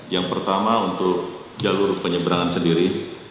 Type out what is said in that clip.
yang pertama untuk jalur penyeberangan sendiri